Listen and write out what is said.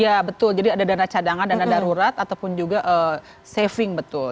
ya betul jadi ada dana cadangan dana darurat ataupun juga saving betul